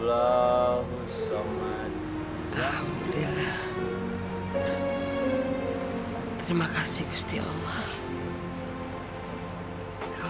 kekuasaan yang terbaik